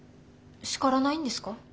叱らないんですか？